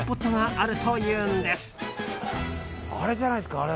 あれじゃないですか。